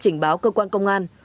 trình báo cơ quan công an